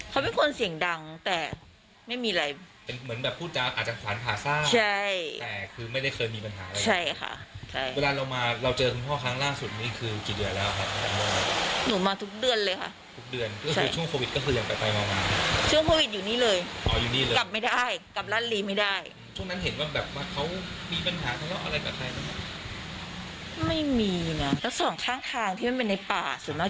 ตอนนั้นเห็นว่าแบบว่าเขามีปัญหาแล้วอะไรกับใคร